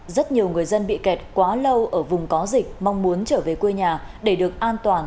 rất nhiều người dân bị kẹt quá lâu ở vùng có dịch mong muốn trở về quê nhà để được an toàn